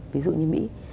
ví dụ như mỹ